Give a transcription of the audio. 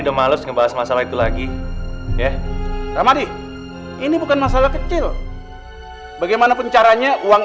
udah males ngebahas masalah itu lagi ya sama deh ini bukan masalah kecil bagaimanapun caranya uang